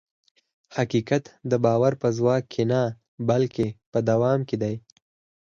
حقیقت د باور په ځواک کې نه، بلکې په دوام کې دی.